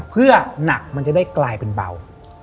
เพื่อหนักมันจะได้กลายเป็นเบา